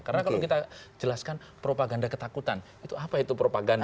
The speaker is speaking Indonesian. karena kalau kita jelaskan propaganda ketakutan itu apa itu propaganda